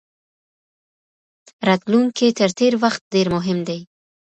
راتلونکی تر تیر وخت ډیر مهم دی.